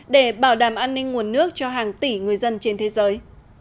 để bảo đảm an ninh nguồn nước cho hàng tỷ người dân trên thế giới